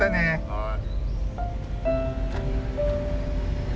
はい。